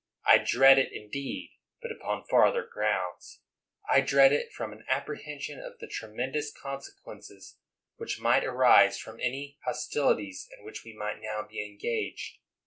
I dread it, indeed — but upon far other grounds : I dread it from an apprehension of the tremen dous consequences which might arise from any hostilities in which we might now be engaged.